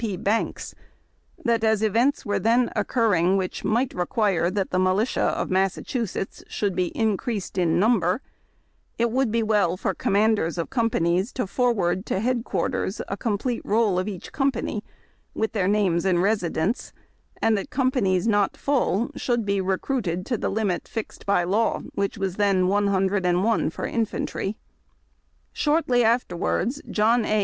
P. Banks, that as events were then occurring which might require that the militia of Massachusetts should be increased in number, it would be well for commanders of companies to for ward to head quarters a complete roll of each company, with their names and residence, and that companies not full should be recruited to the limit fixed by law, which was then one hundred and one for infantry. Shortly after wards John A.